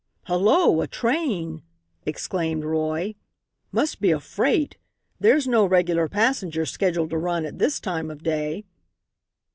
"Hullo, a train!" exclaimed Roy. "Must be a freight; there's no regular passenger scheduled to run at this time of day."